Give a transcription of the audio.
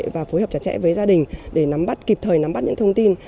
và phối hợp chặt chẽ với gia đình để kịp thời nắm bắt những thông tin